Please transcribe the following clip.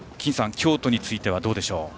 京都についてはどうでしょう？